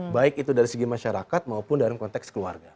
baik itu dari segi masyarakat maupun dalam konteks keluarga